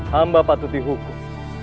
hamba patut dihukum